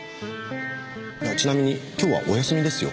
ちなみに今日はお休みですよ？